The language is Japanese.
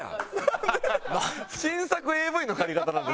新作ＡＶの借り方だぜ？